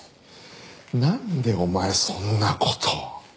なんでお前そんな事を。